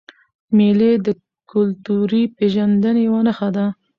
مېلې د کلتوري پیژندني یوه نخښه ده.